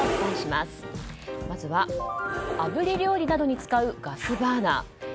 まずは、あぶり料理などに使うガスバーナー。